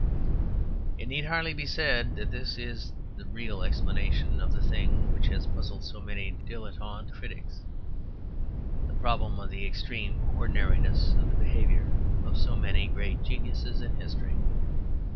It need hardly be said that this is the real explanation of the thing which has puzzled so many dilettante critics, the problem of the extreme ordinariness of the behaviour of so many great geniuses in history.